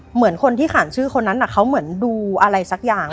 เหมือนคนที่ขานชื่อคนนั้นเขาเหมือนดูอะไรสักอย่าง